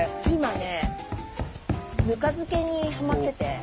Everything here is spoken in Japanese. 今ねぬか漬けにはまってて。